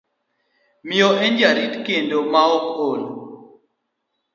Miyo, en jarit kendo maok ol.